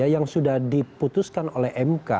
yang sudah diputuskan oleh mk